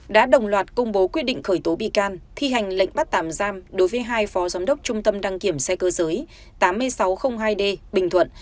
đã đồng loạt công bố quyết định khởi tố bị can thi hành lệnh bắt tạm giam đối với hai phó giám đốc trung tâm đăng kiểm xe cơ giới tám nghìn sáu trăm linh hai d bình thuận